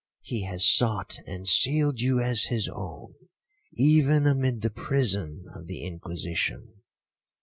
He has sought and sealed you as his own, even amid the prison of the Inquisition.